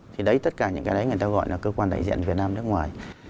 thì đấy tất cả những cái đấy người ta gọi là cơ quan đại diện việt nam nước ngoài